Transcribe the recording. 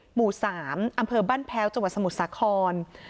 หมู่๓อำเภอบ้านแพ้วจังหวัดสมุทรสาคร